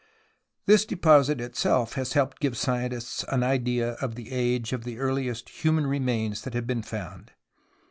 This deposit itself has helped to give scientists an idea of the age of the earliest human remains that have been found.